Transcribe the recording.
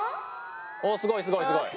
おすごいすごいすごい。